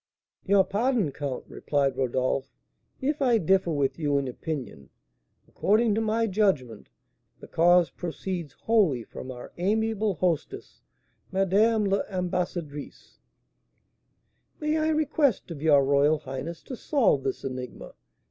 "Your pardon, count," replied Rodolph, "if I differ with you in opinion. According to my judgment, the cause proceeds wholly from our amiable hostess, Madame l'Ambassadrice." "May I request of your royal highness to solve this enigma?"